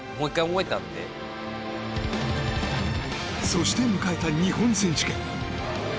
そして迎えた日本選手権。